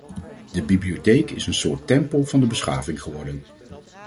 De bibliotheek is een soort tempel van de beschaving geworden.